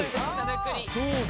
そうだ。